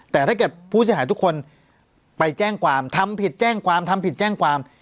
แต่ถ้าเกิดผู้ชายหายทุกคนไปแจ้งความทำผิดแจ้งความ